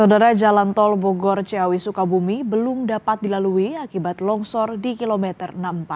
saudara jalan tol bogor ciawi sukabumi belum dapat dilalui akibat longsor di kilometer enam puluh empat